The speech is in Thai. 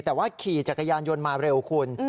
แต่ว่าขี่จักรยานยนต์มาเร็วคุณ